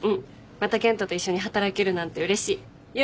また健人と一緒に働けるなんてうれしい。